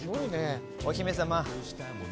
お姫様！